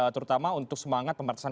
terutama untuk semangat pemberatasan